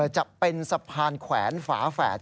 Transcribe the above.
จะเป็นสะพานแขวนฝาแฝด